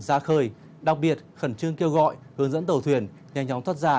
ra khơi đặc biệt khẩn trương kêu gọi hướng dẫn tàu thuyền nhanh chóng thoát ra